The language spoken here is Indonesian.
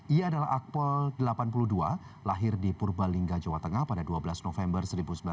ia adalah akpol delapan puluh dua lahir di purbalingga jawa tengah pada dua belas november seribu sembilan ratus empat puluh